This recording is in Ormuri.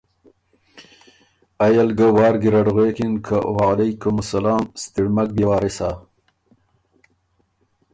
ائ ال ګه وارګیرډ غوېکِن که وعلیکم السلام! ستِړ مک بيې وارثا